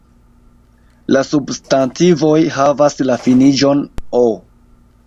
La substantivoj havas la finiĝon o.